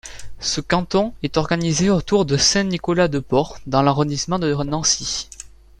Ce canton est organisé autour de Saint-Nicolas-de-Port dans l'arrondissement de Nancy.